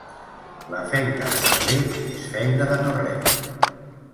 La feina de barber és feina de no res.